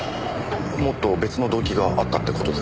もっと別の動機があったって事ですか？